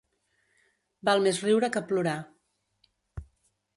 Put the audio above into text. Val més riure que plorar.